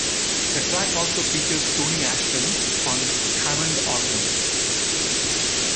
The track also features Tony Ashton on Hammond organ.